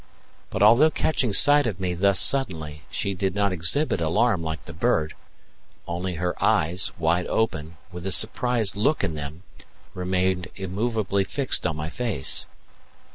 But although catching sight of me thus suddenly, she did not exhibit alarm like the bird; only her eyes, wide open, with a surprised look in them, remained immovably fixed on my face.